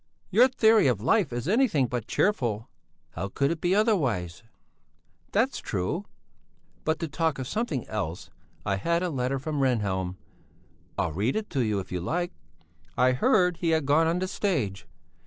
"Your theory of life is anything but cheerful." "How could it be otherwise?" "That's true!" "But to talk of something else: I've had a letter from Rehnhjelm. I'll read it to you, if you like." "I heard he had gone on the stage."